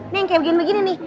nih yang kayak begini nih